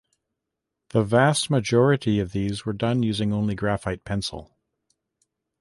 The vast majority of these were done using only graphite pencil.